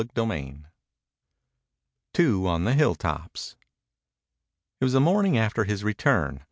CHAPTER XXXI TWO ON THE HILLTOPS It was the morning after his return.